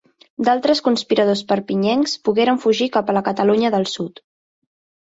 D'altres conspiradors perpinyanencs pogueren fugir cap a la Catalunya del sud.